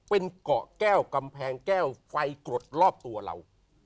เป็นเกาะแก้วกำแพงแก้วไฟกรดรอบตัวเรา